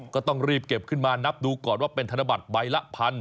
ก็ต้องรีบเก็บขึ้นมานับดูก่อนว่าเป็นธนบัตรใบละ๑๐๐